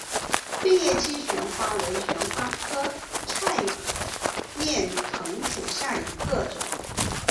变叶姬旋花为旋花科菜栾藤属下的一个种。